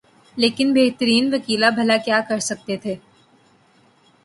لیکن بہترین وکلا بھلا کیا کر سکتے تھے۔